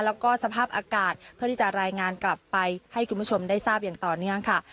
แล้วก็สภาพอากาศเพื่อที่จะรายงานกลับไปให้คุณผู้ชมได้ทราบอย่างต่อเนื่องค่ะ